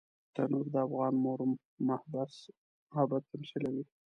تنور د افغان مور محبت تمثیلوي